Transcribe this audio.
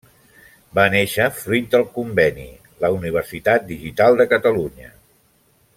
Va néixer fruit del conveni La Universitat Digital de Catalunya.